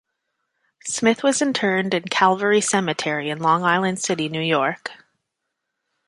Smith was interred in Calvary Cemetery, in Long Island City, New York.